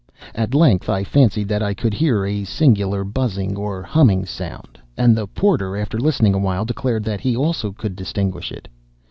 At length I fancied that I could hear a singular buzzing or humming sound; and the porter, after listening awhile, declared that he also could distinguish it.